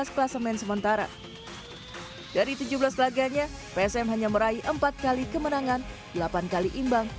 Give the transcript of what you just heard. kelas main sementara dari tujuh belas laganya psm hanya meraih empat kali kemenangan delapan kali imbang